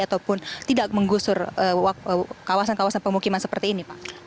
ataupun tidak menggusur kawasan kawasan pemukiman seperti ini pak